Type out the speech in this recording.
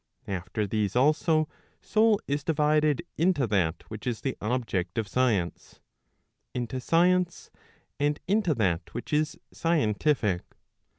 After these also, soul is divided, into that which is the object of science, into science, and into that which is scientific.